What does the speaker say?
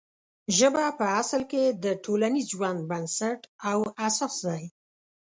ژبه په اصل کې د ټولنیز ژوند بنسټ او اساس دی.